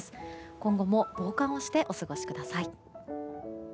今後も防寒をしてお過ごしください。